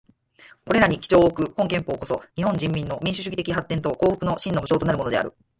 これらに基調をおく本憲法こそ、日本人民の民主主義的発展と幸福の真の保障となるものである。